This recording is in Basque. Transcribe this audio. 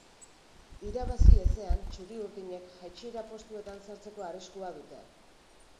Irabazi ezean txuri-urdinek jaitsiera postuetan sartzeko arriskua dute.